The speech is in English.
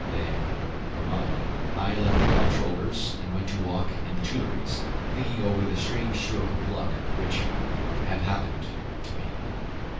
le Normand. I left the comptroller's and went to walk in the Tuileries, thinking over the strange stroke of luck which had happened to me.